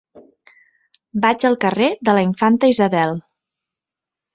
Vaig al carrer de la Infanta Isabel.